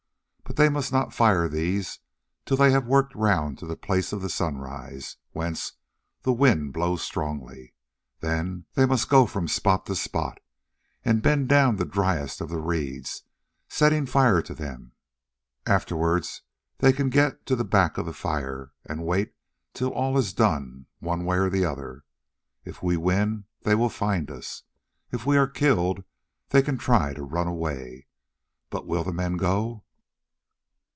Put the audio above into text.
But they must not fire these till they have worked round to the place of the sunrise, whence the wind blows strongly. Then they must go from spot to spot and bend down the driest of the reeds, setting fire to them. Afterwards they can get to the back of the fire and wait till all is done one way or the other. If we win they will find us, if we are killed they can try to run away. But will the men go?"